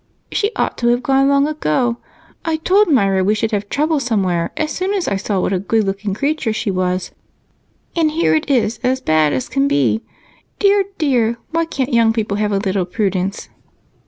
"She ought to have gone long ago. I told Myra we should have trouble somewhere as soon as I saw what a good looking creature she was, and here it is as bad as can be. Dear, dear! Why can't young people have a little prudence?"